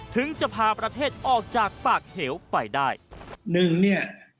ถึงจะพาประเทศออกจากปากเหี่ยวไปได้